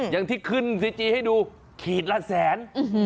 อย่างที่ขึ้นซีจีให้ดูขีดละแสน